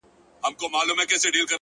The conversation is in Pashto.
زما تصـور كي دي تصـوير ويده دی!